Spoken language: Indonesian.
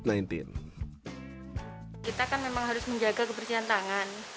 kita kan memang harus menjaga kebersihan tangan